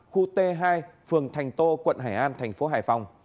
khu t hai phường thành tô quận hải an tp hải phòng